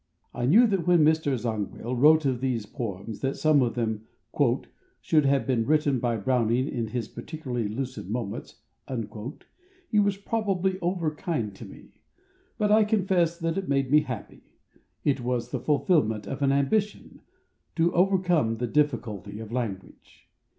I knew that when Mr. Zangwill wrote of those poems that some of them "should have been written by Browning in his particularly lucid moments," he was probably over kind to me, but I confess that it made me happy; it was the fulfillment of an ambition — to overcome the difficulty of language.